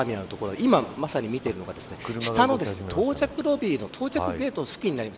今、まさに見ているのが下の到着ロビーの到着ゲート付近になります。